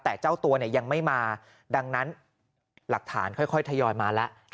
แต่เจ้าตัวเนี่ยยังไม่มาดังนั้นหลักฐานค่อยทยอยมาแล้ว